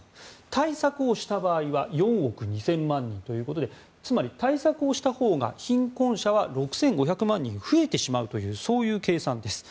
対策をした場合は４億２０００万人ということでつまり対策をしたほうが貧困者は６５００万人増えてしまうという計算です。